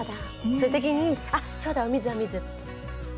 そういう時に「あっそうだお水お水」。